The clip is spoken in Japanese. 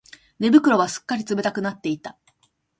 寝袋はすっかり冷たくなっていた